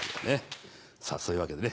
さぁそういうわけでね